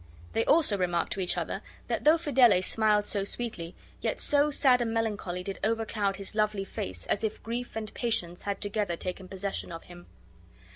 They also remarked to each other that though Fidele smiled so sweetly, yet so sad a melancholy did overcloud his lovely face, as if grief and patience had together taken possession of him.